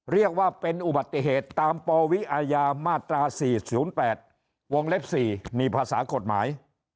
เรียกว่าเป็นอุบัติเหตุตามปวิอาญามาตรา๔๐๘วงเล็บ๔นี่ภาษากฎหมาย